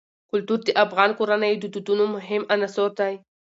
کلتور د افغان کورنیو د دودونو مهم عنصر دی.